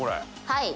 はい。